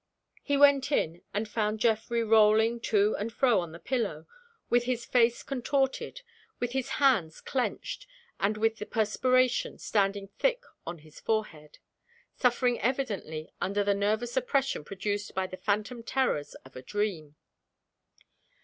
He went in, and found Geoffrey rolling to and fro on the pillow, with his face contorted, with his hands clenched, and with the perspiration standing thick on his forehead suffering evidently under the nervous oppression produced by the phantom terrors of a dream.